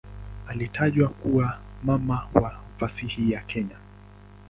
Alitajwa kuwa "mama wa fasihi ya Kenya".